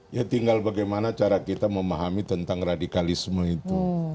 ya tinggal bagaimana cara kita memahami tentang radikalisme itu